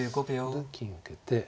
で金を受けて。